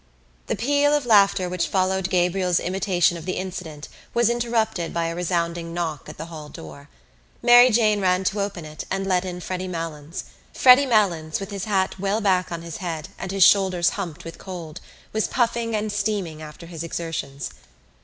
'" The peal of laughter which followed Gabriel's imitation of the incident was interrupted by a resounding knock at the hall door. Mary Jane ran to open it and let in Freddy Malins. Freddy Malins, with his hat well back on his head and his shoulders humped with cold, was puffing and steaming after his exertions.